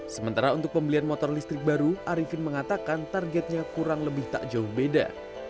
sementara untuk pembelian motor listrik baru arifin mengatakan targetnya kurang lebih tak jauh beda